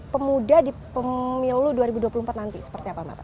pemuda di pemilu dua ribu dua puluh empat nanti seperti apa pak